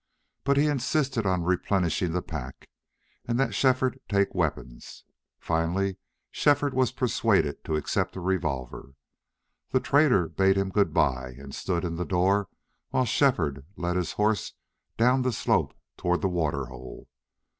But he insisted on replenishing the pack, and that Shefford take weapons. Finally Shefford was persuaded to accept a revolver. The trader bade him good by and stood in the door while Shefford led his horse down the slope toward the water hole.